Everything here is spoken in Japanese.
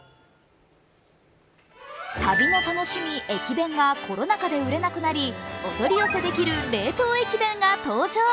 旅の楽しみ、駅弁がコロナ禍で売れなくなりお取り寄せできる冷凍駅弁が登場。